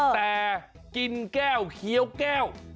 แต่กินแก้วเคี้ยวแก้ว